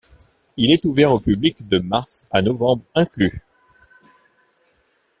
Il est ouvert au public de mars à novembre inclus.